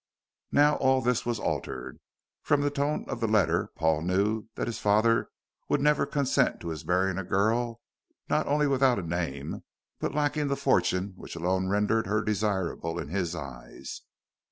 Now all this was altered. From the tone of the letter, Paul knew his father would never consent to his marrying a girl not only without a name, but lacking the fortune which alone rendered her desirable in his eyes.